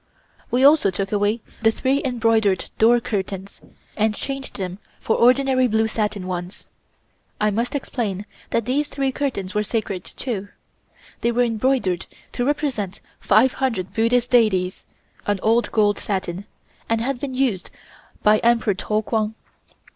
We also took away the three embroidered door curtains, and changed them for ordinary blue satin ones. I must explain that these three curtains were sacred, too. They were embroidered to represent five hundred Buddhist deities, on old gold satin, and had been used by Emperor Tou Kwang.